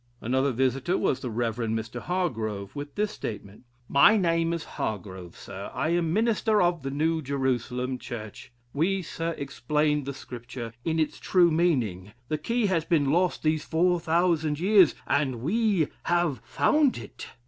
Another visitor was the Rev. Mr. Hargrove, with this statement: "My name is Hargrove, Sir; I am minister of the new Jerusalem church; we, Sir, explain the scripture in its true meaning; the key has been lost these four thousand years, and we have found It."